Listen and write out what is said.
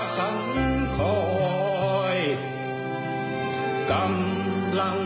ศิลปินทฤษฎี